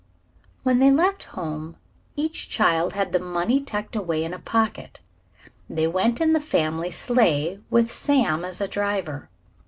When they left home each child had the money tucked away in a pocket. They went in the family sleigh, with Sam as a driver.